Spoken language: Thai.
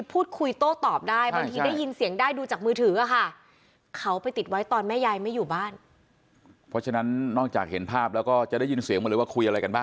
เพราะฉะนั้นนอกจากเห็นภาพแล้วก็จะได้ยินเสียงมาเลยว่าคุยอะไรกันบ้าง